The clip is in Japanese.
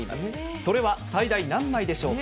それは最大何枚でしょうか。